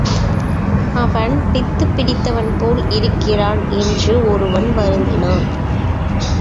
அவன் பித்துப் பிடித்தவன்போல் இருக்கிறான் என்று ஒருவன் வருந்தினான்.